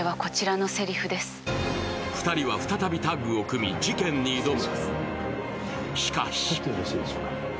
２人は再びタッグを組み、事件に挑む。